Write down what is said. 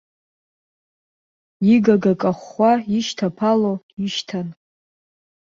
Игага кахәхәа ишьҭаԥало ишьҭан.